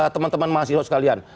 teman teman mahasiswa sekalian